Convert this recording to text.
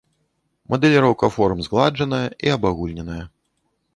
Мадэліроўка форм згладжаная і абагульненая.